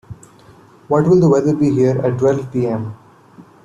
What will the weather be here at twelve P.m.?